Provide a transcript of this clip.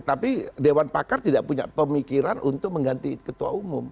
tapi dewan pakar tidak punya pemikiran untuk mengganti ketua umum